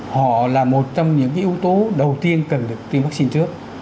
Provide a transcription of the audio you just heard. họ là một trong những cái ưu tố đầu tiên cần được tiêm vaccine trước